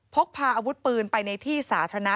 พกพาอาวุธปืนไปในที่สาธารณะ